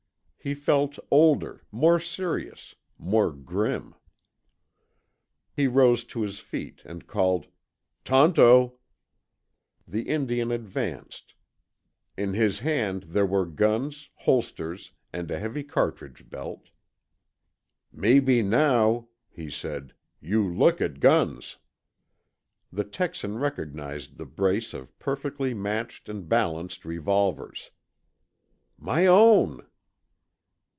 He felt older, more serious, more grim. He rose to his feet and called, "Tonto." The Indian advanced. In his hand there were guns, holsters, and a heavy cartridge belt. "Maybe now," he said, "you look at guns." The Texan recognized the brace of perfectly matched and balanced revolvers. "My own!"